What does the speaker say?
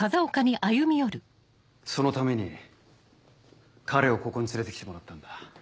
そのために彼をここに連れて来てもらったんだ。